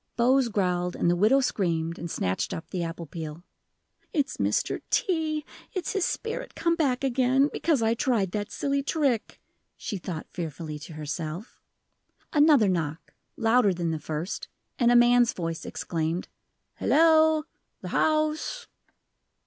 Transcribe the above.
Bose growled, and the widow screamed and snatched up the apple peel. "It's Mr. T. it's his spirit come back again, because I tried that silly trick," she thought fearfully to herself. Another knock louder than the first, and a man's voice exclaimed: "Hello the house!"